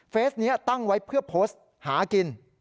นี้ตั้งไว้เพื่อโพสต์หากิน